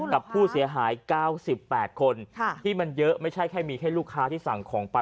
กับผู้เสียหาย๙๘คนที่มันเยอะไม่ใช่แค่มีแค่ลูกค้าที่สั่งของไป